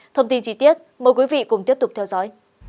thông tin chi tiết mời quý vị cùng tiếp tục theo dõi